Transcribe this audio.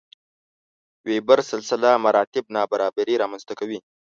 وېبر سلسله مراتب نابرابري رامنځته کوي.